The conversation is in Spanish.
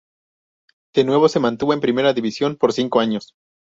De nuevo se mantuvo en Primera División por cinco años.